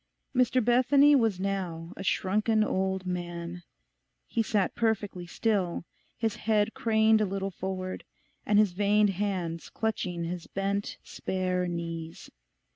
Mr Bethany was now a shrunken old man; he sat perfectly still, his head craned a little forward, and his veined hands clutching his bent, spare knees.